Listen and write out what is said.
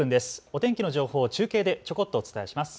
お天気の情報を中継でちょこっとお伝えします。